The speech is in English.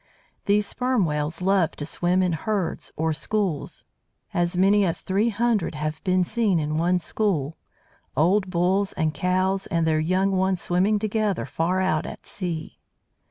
These Sperm Whales love to swim in herds, or schools. As many as three hundred have been seen in one school, old "bulls" and "cows," and their young ones swimming together far out at sea.